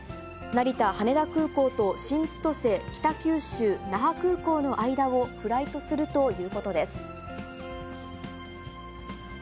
成田、羽田空港と、新千歳、北九州、那覇空港の間をフライトするということです。